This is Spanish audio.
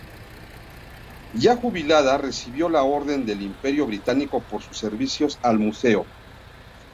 Ya jubilada, recibió la Orden del Imperio Británico por sus servicios al museo.